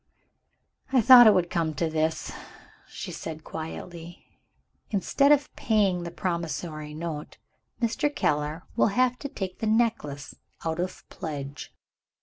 "I thought it would come to this," she said quietly. "Instead of paying the promissory note, Mr. Keller will have to take the necklace out of pledge."